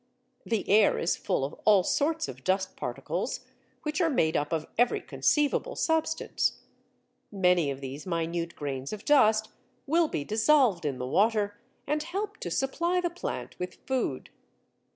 The air is full of all sorts of dust particles which are made up of every conceivable substance. Many of these minute grains of dust will be dissolved in the water, and help to supply the plant with food.